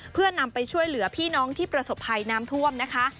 เพื่อนำไปช่วยเหลือพี่น้องที่ประสบภัยน้ำท่วมนะคะ